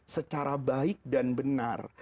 secara baik dan benar